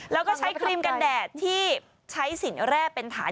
แล้วก็ใช้ครีมกันแดดที่ใช้สินแร่เป็นฐาน